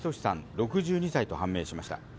６２歳と判明しました。